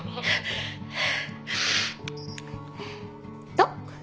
どう？